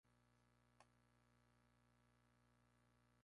Se trataba de un evento que reunía a varios artistas de distintas nacionalidades.